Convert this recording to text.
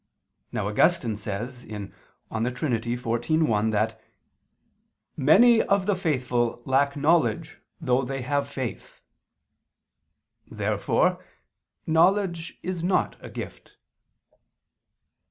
Now Augustine says (De Trin. xiv, 1) that "many of the faithful lack knowledge though they have faith." Therefore knowledge is not a gift.